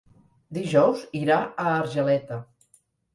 Dijous irà a Argeleta.